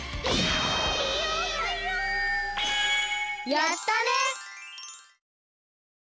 やったね！